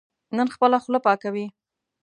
نن خپله خوله پاکوي.